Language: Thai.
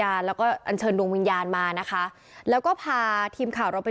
อายุ๖ขวบซึ่งตอนนั้นเนี่ยเป็นพี่ชายมารอเอาน้องชายไปอยู่ด้วยหรือเปล่าเพราะว่าสองคนนี้เขารักกันมาก